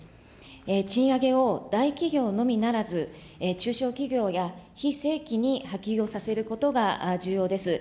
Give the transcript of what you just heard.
賃上げを大企業のみならず、中小企業や非正規に波及をさせることが重要です。